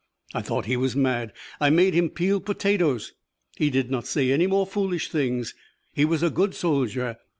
I thought he was mad. I made him peel potatoes. He did not say any more foolish things. He was a good soldier.